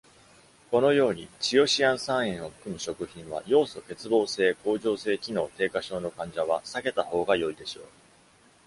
このように、チオシアン酸塩を含む食品は、ヨウ素欠乏性甲状腺機能低下症の患者は避けた方が良いでしょう。